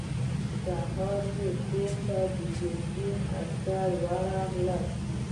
سهار يې کور ته د ګرګين عسکر ورغلل.